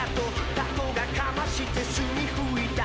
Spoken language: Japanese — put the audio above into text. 「タコがかましてスミふいた」